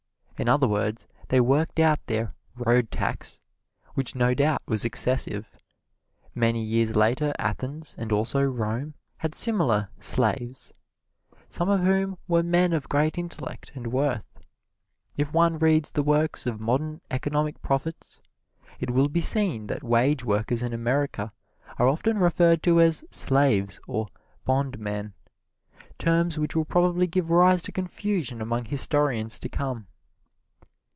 In other words, they worked out their "road tax," which no doubt was excessive. Many years later, Athens and also Rome had similar "slaves," some of whom were men of great intellect and worth. If one reads the works of modern economic prophets, it will be seen that wage workers in America are often referred to as "slaves" or "bondmen," terms which will probably give rise to confusion among historians to come.